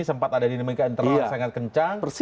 sempat ada dinamika internal sangat kencang